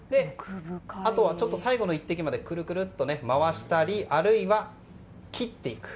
あとは最後の１滴までくるくるっと回したりあるいは切っていく。